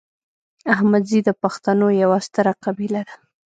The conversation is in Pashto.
احمدزي د پښتنو یوه ستره قبیله ده